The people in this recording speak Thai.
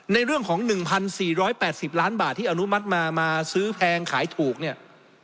ในเรื่องของ๑๔๘๐ล้านบาทที่อนุมัติมามาซื้อแพงขายถูกเนี่ย